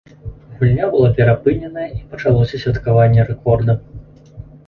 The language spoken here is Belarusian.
Гульня была перапыненая, і пачалося святкаванне рэкорда.